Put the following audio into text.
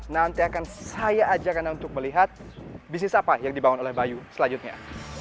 nanti akan saya ajak anda untuk melihat bisnis apa yang dibangun oleh bayu selanjutnya